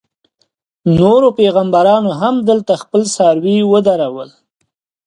نورو پیغمبرانو هم دلته خپل څاروي ودرول.